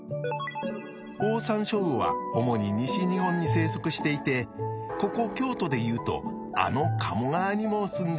オオサンショウウオは主に西日本に生息していてここ京都で言うとあの鴨川にも住んでいるんですよ。